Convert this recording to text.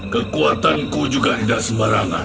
kekuatan ku juga tidak sembarangan